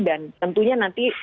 dan tentunya nanti